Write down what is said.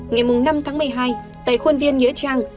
ngày năm tháng một mươi hai tại khuôn viên nghĩa trang